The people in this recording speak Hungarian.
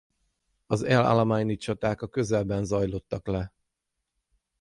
Az el-alameini csaták a közelben zajlottak le.